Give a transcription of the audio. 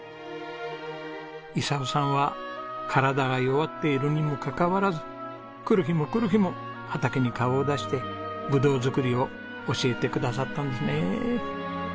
伊佐雄さんは体が弱っているにもかかわらず来る日も来る日も畑に顔を出してぶどう作りを教えてくださったんですね。